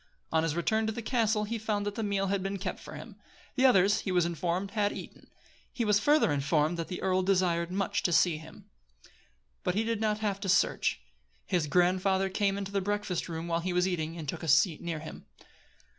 On his return to the castle he found that the meal had been kept for him. The others, he was informed, had eaten. He was further informed that the earl desired much to see him. But he did not have to search. His grandfather came into the breakfast room while he was eating, and took a seat near him.